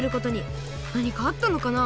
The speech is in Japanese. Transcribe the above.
なにかあったのかな？